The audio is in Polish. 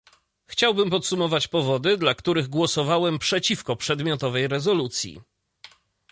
Chciałbym podsumować powody, dla których głosowałem przeciwko przedmiotowej rezolucji